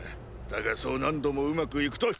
だがそう何度もうまくいくとは。